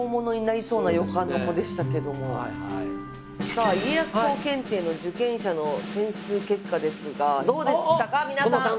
さあ家康公検定の受験者の点数結果ですがどうでしたか皆さん！